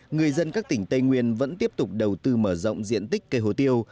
người dân các tỉnh tây nguyên vẫn tiếp tục đầu tư mở rộng diện tích cây hồ tiêu